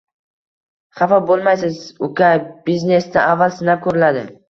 Xafa boʻlmaysiz, uka, biznesda avval sinab koʻriladi